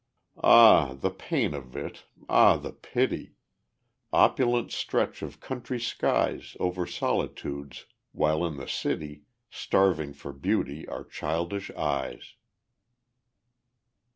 Ah, the pain of it! Ah, the pity! Opulent stretch the country skies Over solitudes, while in the city Starving for beauty are childish eyes.